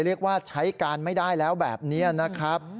เรียกว่าใช้การไม่ได้แล้วแบบนี้นะครับ